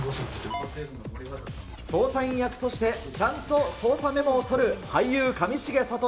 捜査員役としてちゃんと捜査メモを取る俳優、上重聡。